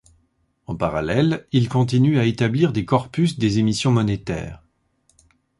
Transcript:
En parallèle, il continue à établir des corpus des émissions monétaires.